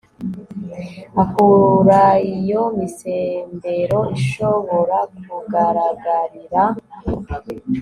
akuraiyo misembero ishobora kugaragarira